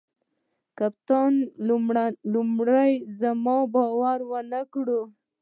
کپتان لومړي زما باور ونه کړ.